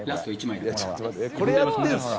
「これやってるんですか？」